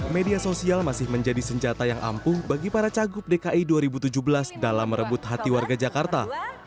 media sosial masih menjadi senjata yang ampuh bagi para cagup dki dua ribu tujuh belas dalam merebut hati warga jakarta